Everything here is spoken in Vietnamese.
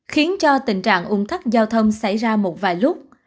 khiến cho tình trạng ung tắc giao thông xảy ra một vài lúc